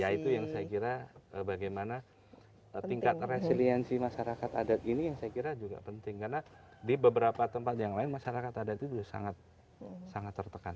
ya itu yang saya kira bagaimana tingkat resiliensi masyarakat adat ini yang saya kira juga penting karena di beberapa tempat yang lain masyarakat adat itu sangat tertekan